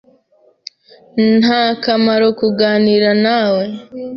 Nta kamaro kuganira na we.